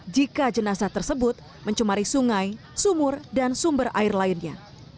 jika jenazah tersebut mencemari sungai sumur dan sumber air lainnya